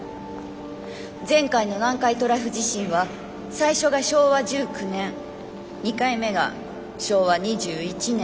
「前回の南海トラフ地震は最初が昭和１９年２回目が昭和２１年。